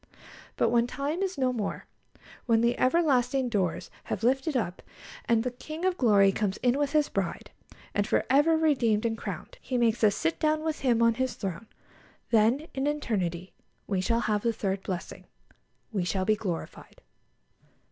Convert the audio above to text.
But when time is no more, when the ever lasting doors have lifted up, and the King of Glory comes in with His Bride, and, for ever redeemed and crowned, He makes us to sit down with Him on His throne, then in eternity we shall have the third blessing we shall be glorified.